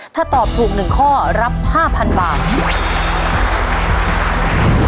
ถ้าตอบถูก๑ข้อรับ๕๐๐๐บาท